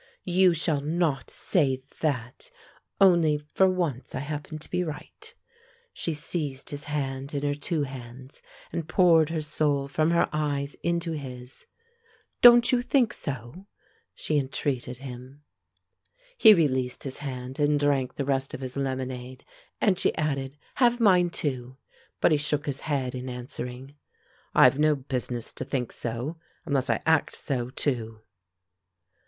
"You shall not say that! Only, for once I happen to be right." She seized his hand in her two hands, and poured her soul from her eyes into his. "Don't you think so?" she entreated him. He released his hand and drank the rest of his lemonade, and she added, "Have mine, too," but he shook his head in answering, "I've no business to think so, unless I act so, too."